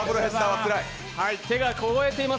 手が凍えています。